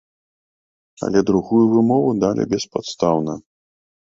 Але другую вымову далі беспадстаўна.